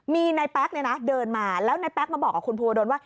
มีในแป๊กเดินมาแล้วในแป๊กมาบอกกับคุณภูวะดนว่า